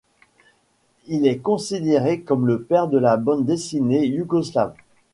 Il est considéré comme le père de la bande dessinée yougoslave.